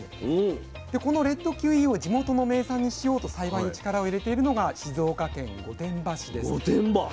でこのレッドキウイを地元の名産にしようと栽培に力を入れているのが静岡県御殿場市です。